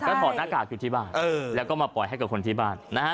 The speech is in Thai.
ถอดหน้ากากอยู่ที่บ้านแล้วก็มาปล่อยให้กับคนที่บ้านนะฮะ